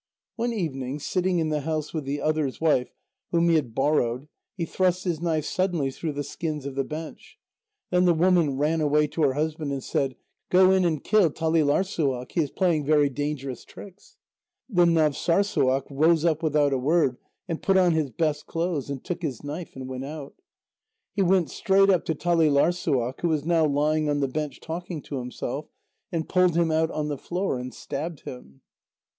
One evening, sitting in the house with the other's wife, whom he had borrowed, he thrust his knife suddenly through the skins of the bench. Then the woman ran away to her husband and said: "Go in and kill Talîlarssuaq; he is playing very dangerous tricks." Then Navssârssuaq rose up without a word, and put on his best clothes, and took his knife, and went out. He went straight up to Talîlarssuaq, who was now lying on the bench talking to himself, and pulled him out on the floor and stabbed him.